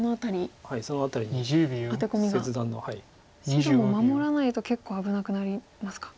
白も守らないと結構危なくなりますか。